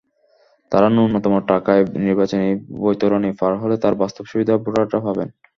তঁারা ন্যূনতম টাকায় নির্বাচনী বৈতরণি পার হলে তার বাস্তব সুবিধা ভোটাররা পাবেন।